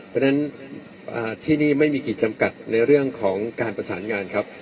เพราะฉะนั้นที่นี่ไม่มีกิจจำกัดในเรื่องของการประสานงานครับ